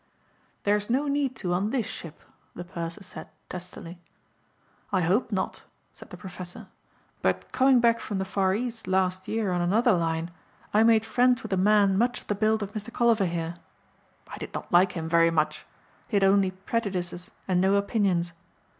"There's no need to on this ship," the purser said testily. "I hope not," said the professor, "but coming back from the far East last year on another line I made friends with a man much of the build of Mr. Colliver here. I did not like him very much. He had only prejudices and no opinions.